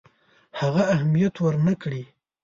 هغه اهمیت ورنه کړي.